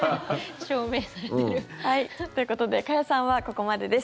証明されてる。ということで加谷さんはここまでです。